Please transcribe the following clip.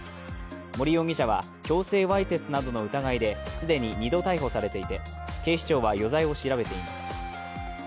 森容疑者は強制わいせつなどの疑いで既に２度逮捕されていて、警視庁は余罪を調べています。